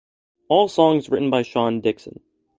All songs written by Sean Dickson.